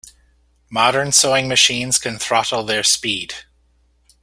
Modern sewing machines can throttle their speed.